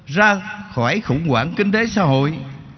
ra khỏi khủng quản kinh tế xã hội